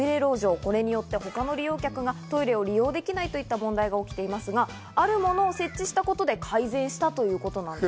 これによって、他の利用客がトイレを利用できなくなった問題があるんですが、あるものを設置したことで改善したということなんです。